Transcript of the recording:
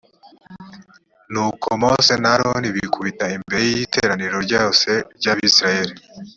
nuko mose na aroni bikubita imberec y iteraniro ryose ry abisirayeli